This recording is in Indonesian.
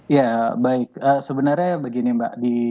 ya baik sebenarnya begini mbak